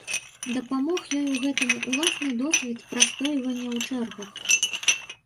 Дапамог ёй у гэтым уласны досвед прастойвання ў чэргах.